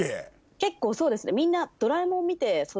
結構そうですねみんな。